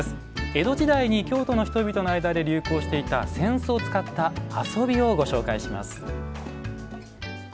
江戸時代に京都の人々の間で流行していた扇子を使った遊びをご紹介します。